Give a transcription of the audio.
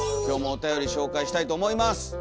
今日もおたより紹介したいと思います。